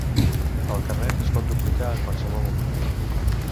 El carnet es pot duplicar en qualsevol moment.